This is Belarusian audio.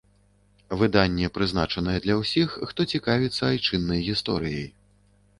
Выданне прызначанае для ўсіх, хто цікавіцца айчыннай гісторыяй.